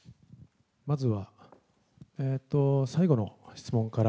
まずは最後の質問から。